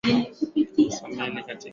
meli hiyo iligonga mwamba wa barafu